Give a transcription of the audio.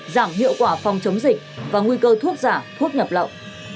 giảm hiệu quả phòng chống dịch và nguy cơ thuốc giả thuốc nhập lậu